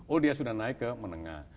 oh dia sudah naik ke menengah